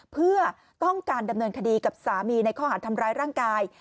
เพื่อต้องการดำเนินคดีกับสามีในข้อหารทำร้ายร่างกาย